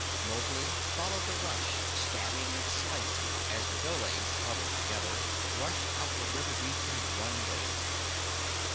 Mowgli followed the rush, stabbing and slicing as the dholes, huddled together, rushed up the river beach in one wave.